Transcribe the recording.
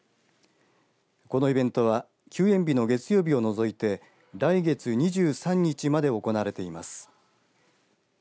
このイベントは休園日の月曜日を除いて来月２３日まで行われています。